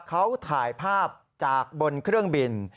เขาถ่ายภาพจากบนเครื่องบิน